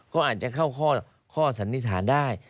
ก็อาจจะเข้าข้อสันนิษฐานได้